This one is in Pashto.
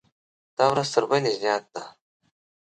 دا ورځ تر بلې زیات ده.